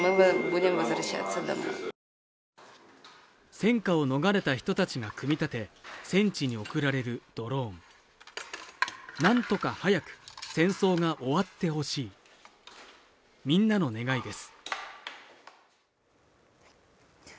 戦火を逃れた人たちが組み立て戦地に送られるドローン何とか早く戦争が終わってほしいみんなの願いです